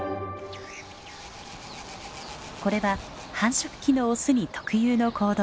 これは繁殖期のオスに特有の行動。